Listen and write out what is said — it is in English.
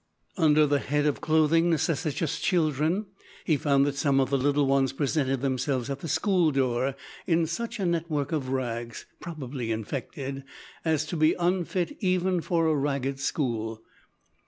Under the head of "Clothing necessitous Children," he found that some of the little ones presented themselves at the school door in such a net work of rags, probably infected, as to be unfit even for a Ragged School.